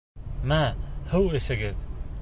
Мә, һыу әсегеҙ.